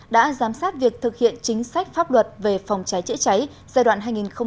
đã giám sát việc thực hiện chính sách pháp luật về phòng cháy chữa cháy giai đoạn hai nghìn một mươi tám hai nghìn một mươi chín